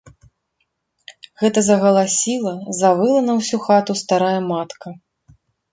Гэта загаласіла, завыла на ўсю хату старая матка.